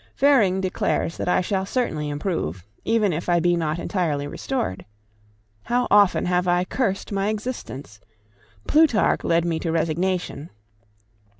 Vering declares that I shall certainly improve, even if I be not entirely restored. How often have I cursed my existence! Plutarch led me to resignation.